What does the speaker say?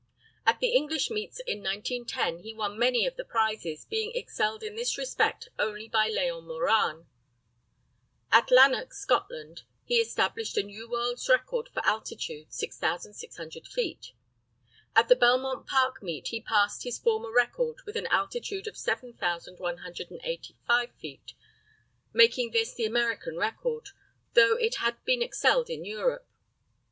At the English meets in 1910 he won many of the prizes, being excelled in this respect only by Leon Morane. At Lanark, Scotland, he established a new world's record for altitude, 6,600 feet. At the Belmont Park meet he passed his former record with an altitude of 7,185 feet, making this the American record, though it had been excelled in Europe.